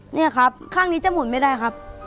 นี่ครับข้างนี้จะหมุนไม่ได้ครับ